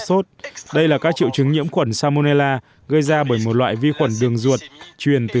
sốt đây là các triệu chứng nhiễm khuẩn salmonella gây ra bởi một loại vi khuẩn đường ruột truyền từ